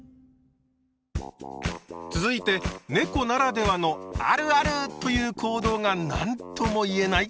続いてねこならではの「あるある！」という行動が何とも言えない